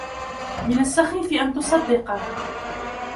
من السخيف ان تصدقه.